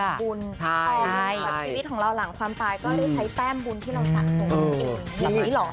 ตอนใช้ชีวิตหลังความตายก็จะใช้แป้มบุญที่เราสาสม